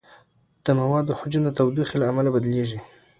د موادو حجم د تودوخې له امله بدلېږي.